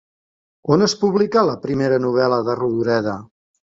On es publicà la primera novel·la de Rodoreda?